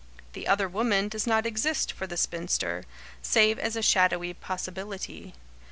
"The other woman" does not exist for the spinster, save as a shadowy possibility.